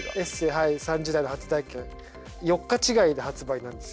はい『三十代の初体験』４日違いで発売なんです。